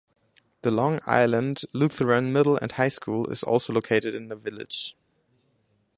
The Long Island Lutheran Middle and High School is also located in the village.